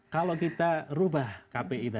kalau kita rubah kpi tadi